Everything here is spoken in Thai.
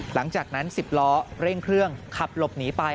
หลังจากนั้น๑๐ล้อเร่งเครื่องขับหลบหนีไป